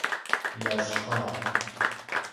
لاش خوار